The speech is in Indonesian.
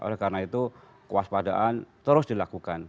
oleh karena itu kewaspadaan terus dilakukan